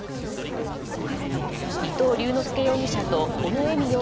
伊東龍之介容疑者と小野恵美